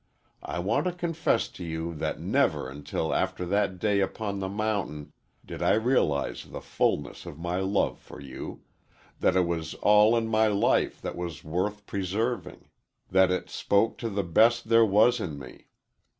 I want to confess to you that never until after that day upon the mountain did I realize the fullness of my love for you that it was all in my life that was worth preserving that it spoke to the best there was in me.